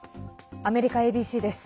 アメリカＡＢＣです。